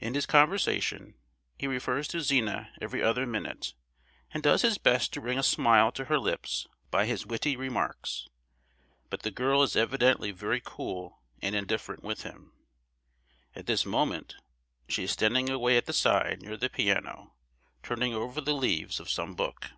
In his conversation, he refers to Zina every other minute, and does his best to bring a smile to her lips by his witty remarks; but the girl is evidently very cool and indifferent with him. At this moment she is standing away at the side near the piano, turning over the leaves of some book.